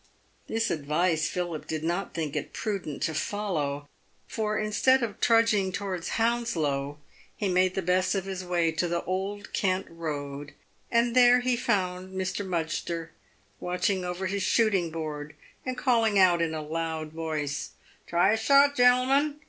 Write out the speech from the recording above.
This advice Philip did not think it prudent to follow, for instead of trudging towards Hounslow, he made the best of his way to the Old Kent road, and there he found Mr. Mudgster watching over his shooting board, and calling out in a loud voice, " Try a shot, gentle men!